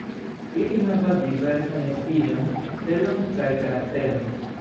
Ili havas diversan estiĝon, celon kaj karakteron.